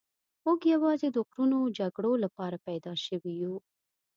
موږ یوازې د غرونو جګړو لپاره پیدا شوي یو.